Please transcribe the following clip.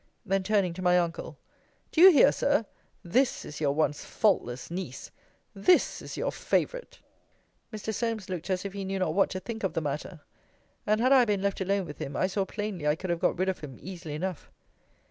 Then turning to my uncle, Do you hear, Sir? this is your once faultless niece! This is your favourite! Mr. Solmes looked as if he know not what to think of the matter; and had I been left alone with him, I saw plainly I could have got rid of him easily enough.